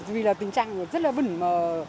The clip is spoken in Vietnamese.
vì là tình trạng nó rất là bẩn mờ